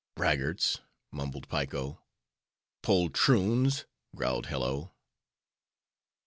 "Braggarts!" mumbled Piko. "Poltroons!" growled Hello.